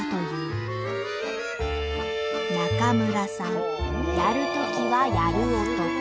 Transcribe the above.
中村さんやるときはやる男。